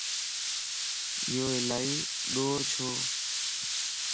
يو الائي ڏور ڇو؟